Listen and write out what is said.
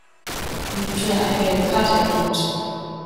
Minute eine gelbe Karte erhielt.